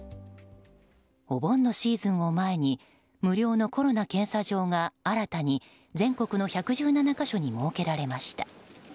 お盆のシーズンを前に無料のコロナ検査場が新たに全国の１１７か所に設けられました。